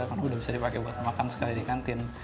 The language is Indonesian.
karena udah bisa dipakai untuk makan sekali di kantin